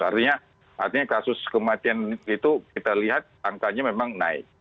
artinya kasus kematian itu kita lihat angkanya memang naik